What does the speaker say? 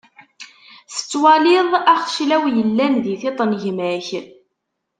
Tettwaliḍ axeclaw yellan di tiṭ n gma-k.